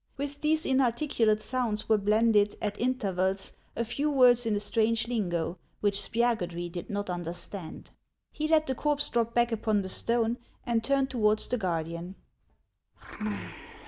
With these inarticulate sounds were blended, at intervals, a lew words in a strange lingo, which Spiagudry did not understand. He let the corpse drop back upon the stone, and turned towards the guardian.